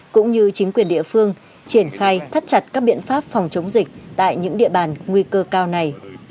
cũng như chính quyền địa phương triển khai thắt chặt các biện pháp phòng chống dịch tại những địa bàn nguy cơ cao này